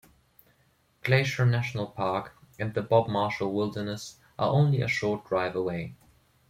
Glacier National Park and the Bob Marshall Wilderness are only a short drive away.